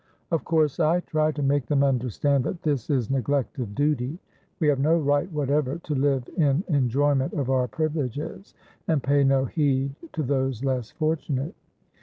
Of course I try to make them understand that this is neglect of duty. We have no right whatever to live in enjoyment of our privileges and pay no heed to those less fortunate.